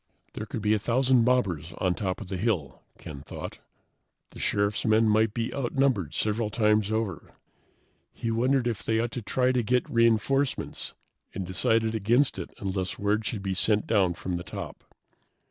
There could be a thousand mobbers on top of the hill, Ken thought. The Sheriff's men might be outnumbered several times over. He wondered if they ought to try to get reinforcements, and decided against it unless word should be sent down from the top.